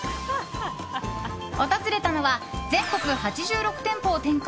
訪れたのは、全国８６店舗を展開